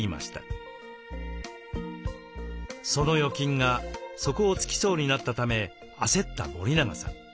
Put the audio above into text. その預金が底をつきそうになったため焦った森永さん。